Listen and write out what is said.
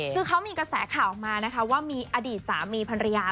คือเขามีกระแสข่าวออกมานะคะว่ามีอดีตสามีภรรยา